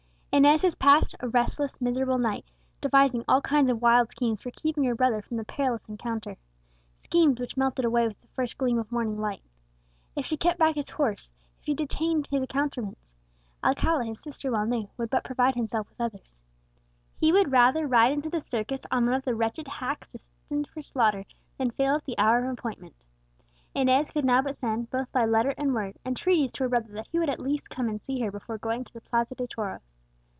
Inez has passed a restless, miserable night, devising all kinds of wild schemes for keeping her brother from the perilous encounter; schemes which melted away with the first gleam of morning light. If she kept back his horse, if she detained his accoutrements, Alcala, his sister well knew, would but provide himself with others. He would rather ride into the circus on one of the wretched hacks destined for slaughter, than fail at the hour of appointment. Inez could now but send, both by letter and word, entreaties to her brother that he would at least come and see her before going to the Plaza de Toros.